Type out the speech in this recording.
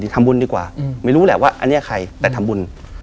ทำบุญดีกว่าไม่รู้แหละว่าอันนี้ใครแต่ทำบุญ